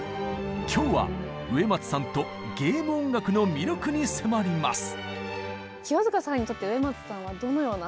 今日は植松さんとゲーム音楽の魅力に迫ります！